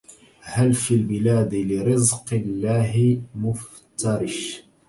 هل في البلاد لرزق الله مفترش